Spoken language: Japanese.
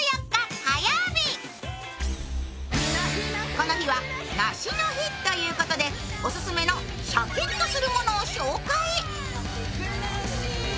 この日は梨の日ということで、オススメのシャキッとするものを紹介。